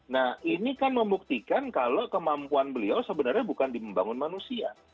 nah ini kan membuktikan kalau kemampuan beliau sebenarnya bukan di membangun manusia